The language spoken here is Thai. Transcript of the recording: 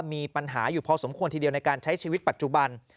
มีปัญหาอยู่พอสมควรทีเดียวในการใช้ชีวิตปัจจุบัน